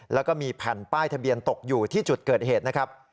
แล้วก็มีแผ่นป้ายทะเบียนตกอยู่ที่จุดเกิดเหตุนะครับ